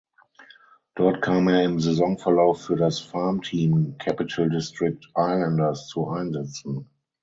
Dort kam er im Saisonverlauf für das Farmteam Capital District Islanders zu Einsätzen.